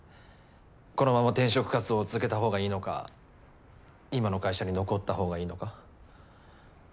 このまま転職活動を続けたほうがいいのか今の会社に残ったほうがいいのか。